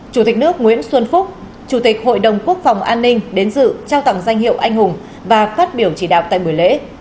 chủ tịch nước nguyễn xuân phúc chủ tịch hội đồng quốc phòng an ninh đến dự trao tặng danh hiệu anh hùng và phát biểu chỉ đạo tại buổi lễ